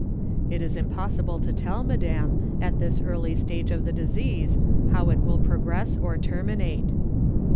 " It is impossible to tell, madam, at this early stage of the disease, how it will progress or terminate.